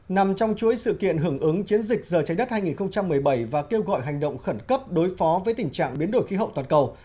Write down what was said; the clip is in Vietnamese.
nằm trong chuỗi sự kiện hưởng ứng chiến dịch giờ trái đất hai nghìn một mươi bảy và kêu gọi hành động khẩn cấp đối phó với tình trạng biến đổi khí hậu toàn cầu